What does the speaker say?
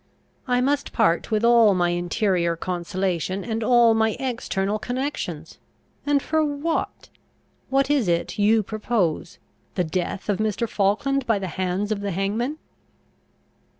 I must part with all my interior consolation, and all my external connections. And for what? What is it you propose? The death of Mr. Falkland by the hands of the hangman."